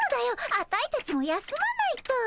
アタイたちも休まないと。